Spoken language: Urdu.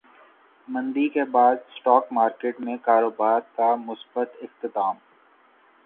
مندی کے بعد اسٹاک مارکیٹ میں کاروبار کا مثبت اختتام